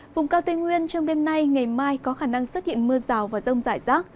vùng cao tây nguyên trong đêm nay ngày mai có khả năng xuất hiện mưa rào và rông rải rác